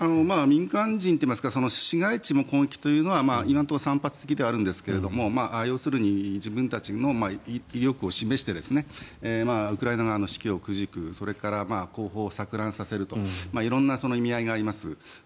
民間人といいますか市街地への攻撃というのは今のところ散発的ではあるんですが要するに自分たちの威力を示してウクライナ側の士気をくじくそれから、後方を錯乱させると色んな意味合いがあります。